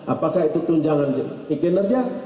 apakah itu tunjangan ikan kerja